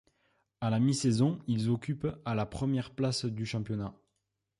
À la mi-saison ils occupent à la première place du championnat.